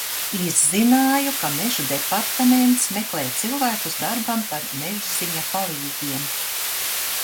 Izzināju, ka Mežu departaments meklē cilvēkus darbam par mežziņa palīgiem.